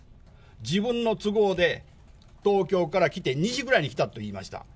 自分の都合で、東京から来て、２時ぐらいに来たと言いました。